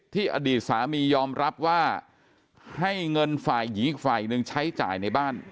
อดีตสามียอมรับว่าให้เงินฝ่ายหญิงอีกฝ่ายหนึ่งใช้จ่ายในบ้าน